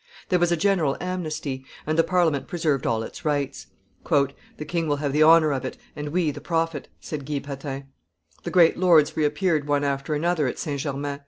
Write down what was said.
There was a general amnesty; and the Parliament preserved all its rights. "The king will have the honor of it, and we the profit," said Guy Patin. The great lords reappeared one after another at St. Germain.